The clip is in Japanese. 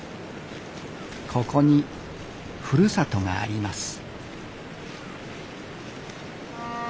ここにふるさとがあります。